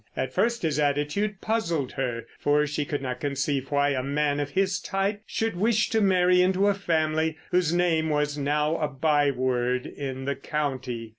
At first his attitude puzzled her, for she could not conceive why a man of his type should wish to marry into a family whose name was now a byword in the county.